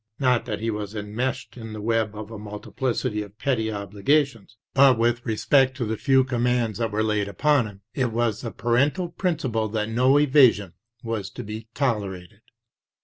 Not that he was enmeshed in the web of a multiplicity of petty obligations, but with respect to the few commands that were laid upon him, it was the parental principle that no evasion was to be tolerated.